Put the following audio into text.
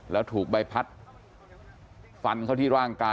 แล้วถูกใบพัดฟันเข้าที่ร่างกาย